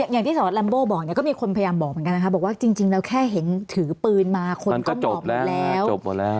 มันก็จบแล้วจบหมดแล้ว